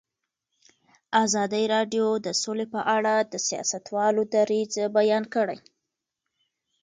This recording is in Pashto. ازادي راډیو د سوله په اړه د سیاستوالو دریځ بیان کړی.